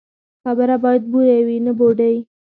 خبره باید بویه وي، نه بوډۍ.